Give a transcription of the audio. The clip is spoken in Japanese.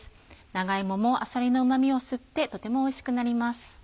長芋もあさりのうま味を吸ってとてもおいしくなります。